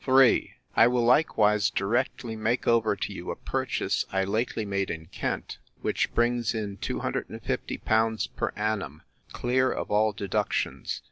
'III. I will likewise directly make over to you a purchase I lately made in Kent, which brings in 250l. per annum, clear of all deductions.